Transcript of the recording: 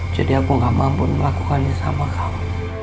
jadi aku gak mampu melakukannya sama kamu